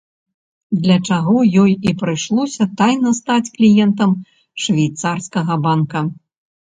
Для чаго ёй і прыйшлося тайна стаць кліентам швейцарскага банка.